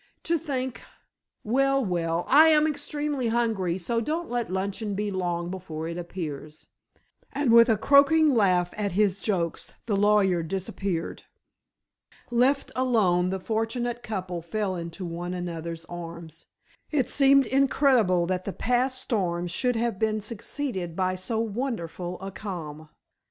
To think well well, I am extremely hungry, so don't let luncheon be long before it appears," and with a croaking laugh at his jokes the lawyer disappeared. Left alone the fortunate couple fell into one another's arms. It seemed incredible that the past storm should have been succeeded by so wonderful a calm.